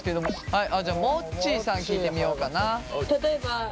はいじゃあもっちーさん聞いてみようかな。